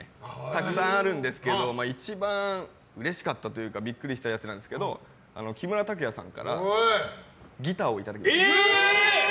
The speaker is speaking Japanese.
たくさんあるんですけど一番うれしかったというかビックリしたやつなんですけど木村拓哉さんからギターをいただきました。